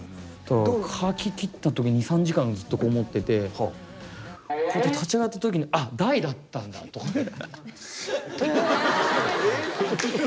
書き切った時に２３時間ずっと籠もっててこうやって立ち上がった時にあっ大だったんだとかって。